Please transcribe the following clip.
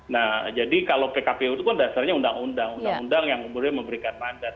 nah jadi kalau pkpu itu kan dasarnya undang undang undang yang kemudian memberikan mandat